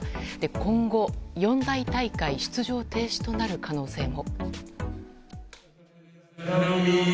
今後、四大大会出場停止となる可能性も。